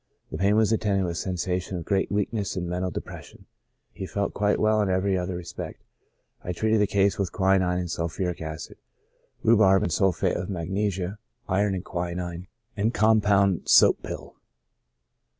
The pain was attended with a sensation of great weakness and mental depression ; he felt quite well in every other respect. I treated the case with quinine and sulphuric acid ; rhubarb and sulphate of magnesia ; iron and quinine ; 7 98 CHRONIC ALCOHOLISM. and compound soap pill.